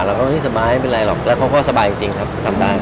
แล้วเอ๊ยสบายไม่เป็นไรหรอกแล้วพ่อสบายจริงครับท่านต่าง